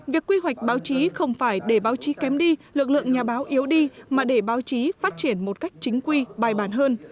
việc quy hoạch báo chí không phải để báo chí kém đi lực lượng nhà báo yếu đi mà để báo chí phát triển một cách chính quy bài bản hơn